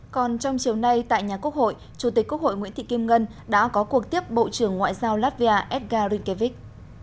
còn trong chiều nay tại nhà quốc hội chủ tịch quốc hội nguyễn thị kim ngân đã có cuộc tiếp bộ trưởng ngoại giao latvia edgar rinkevich